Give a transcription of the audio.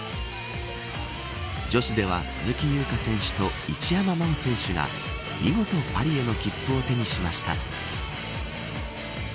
女子では鈴木優花選手と一山麻緒選手が見事パリへの切符を手にしました。